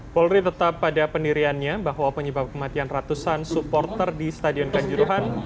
polri tetap pada pendiriannya bahwa penyebab kematian ratusan supporter di stadion kanjuruhan